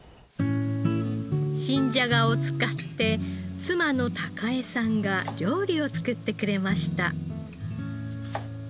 新じゃがを使って妻の孝枝さんが料理を作ってくれました。